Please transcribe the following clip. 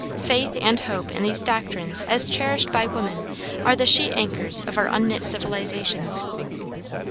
Faith and hope in these doctrines as cherished by woman are the sheet anchors of our unknit civilizations.